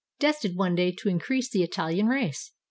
Destined one day to increase the Itahan race.